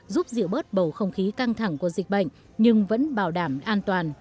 giúp dịu bớt bầu không khí căng thẳng của dịch bệnh nhưng vẫn bảo đảm an toàn